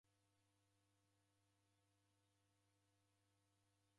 Ndediw'onane kwa matuku mengi.